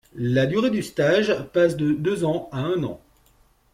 La durée du stage passe de deux ans à un an.